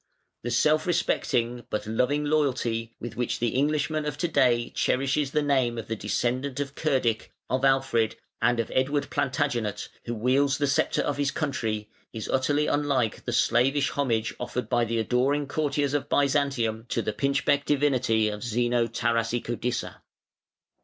The self respecting but loving loyalty, with which the Englishman of to day cherishes the name of the descendant of Cerdic, of Alfred, and of Edward Plantagenet, who wields the sceptre of his country, is utterly unlike the slavish homage offered by the adoring courtiers of Byzantium to the pinchbeck divinity of Zeno Tarasicodissa.